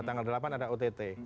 tanggal delapan ada ott